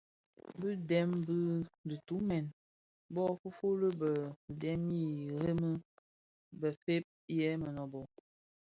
Bi dèm bi dhi tumèn bë fuufuli bë dhemi remi bëfëëg yè mënōbō.